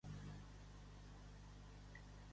Entorn d'aquest monestir sorgiria el poble de Santurtzi.